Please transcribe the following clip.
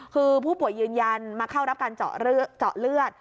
คือผู้ป่วยยืนยันมาเข้ารับการเจาะเลือด